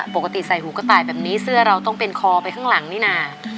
ปกติใส่หูกระต่ายแบบนี้เสื้อเราต้องเป็นคอไปข้างหลังนี่นะ